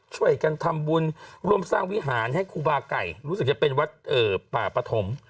ช่วยกันทำบุญร่วมสร้างวิหารให้ครูบาไก่รู้สึกจะเป็นวัดป่าปฐม